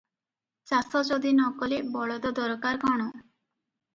ଚାଷ ଯଦି ନ କଲେ ବଳଦ ଦରକାର କଣ?